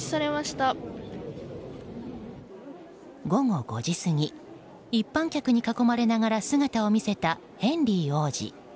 午後５時過ぎ一般客に囲まれながら姿を見せたヘンリー王子。